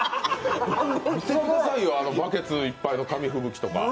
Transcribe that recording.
見てくださいよ、あのバケツいっぱいの紙吹雪とか。